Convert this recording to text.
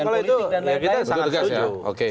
kalau itu kita sangat setuju